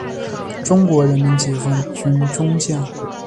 中国人民解放军中将。